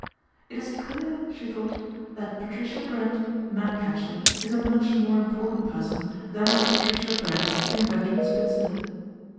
"It is clear," she thought, " that Patricia Brent, man catcher, is a much more important person than is Patricia Brent, inveterate spinster."